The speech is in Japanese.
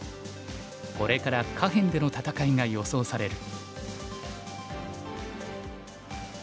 これから下辺での戦いが予想される。